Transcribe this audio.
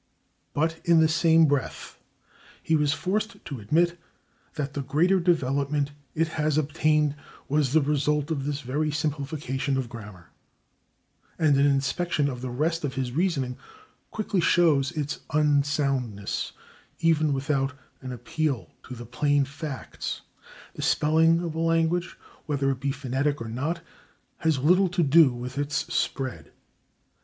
But in the same breath he was forced to admit that "the greater development it has obtained" was the result of this very simplification of grammar, and an inspection of the rest of his reasoning quickly shows its unsoundness, even without an appeal to the plain facts. The spelling of a language, whether it be phonetic or not, has little to do with its spread.